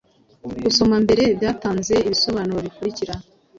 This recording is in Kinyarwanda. Gusoma mbere byatanze ibisobanuro bikurikira